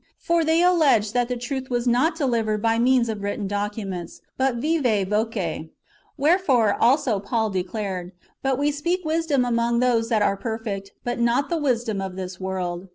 For [they allege] that the truth was not delivered by means of written documents, but viva voce: wherefore also Paul declared, ^^ But we speak wisdom among those that are perfect, but not the wisdom of this world."